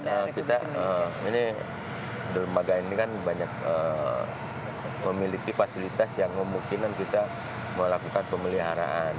ya kita ini dermaga ini kan banyak memiliki fasilitas yang kemungkinan kita melakukan pemeliharaan